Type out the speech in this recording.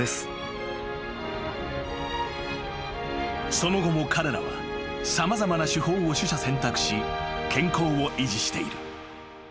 ［その後も彼らは様々な手法を取捨選択し健康を維持している］